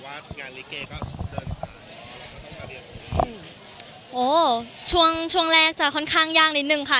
เพราะว่างานลิเกย์ก็เดินต่อไปแล้วก็ต้องการเรียนโอ้ช่วงช่วงแรกจะค่อนข้างยากนิดหนึ่งค่ะ